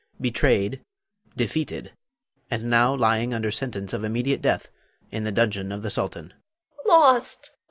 Hafiz. Betrayed, defeated, and now lying under sentence of immediate death in the dungeon of the Sultan. Iantha. Lost!